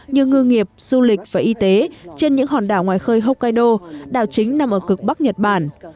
như ngư nghiệp du lịch và y tế trên những hòn đảo ngoài khơi hokkaido đảo chính nằm ở cực bắc nhật bản